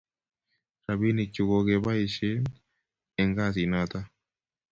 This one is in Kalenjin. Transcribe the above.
rapinik chu ko kigebaishen eng kasit noton